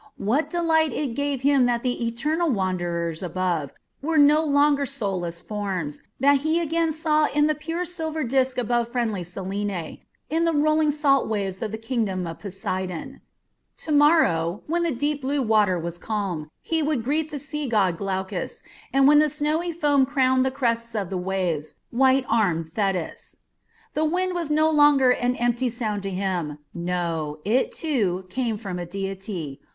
What delight it gave him that the eternal wanderers above were no longer soulless forms, that he again saw in the pure silver disk above friendly Selene, in the rolling salt waves the kingdom of Poseidon! To morrow, when the deep blue water was calm, he would greet the sea god Glaucus, and when snowy foam crowned the crests of the waves, white armed Thetis. The wind was no longer an empty sound to him; no, it, too, came from a deity.